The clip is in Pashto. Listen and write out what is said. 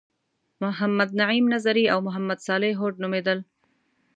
محمد نعیم نظري او محمد صالح هوډ نومیدل.